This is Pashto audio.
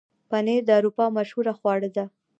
پنېر د اروپا مشهوره خواړه ده.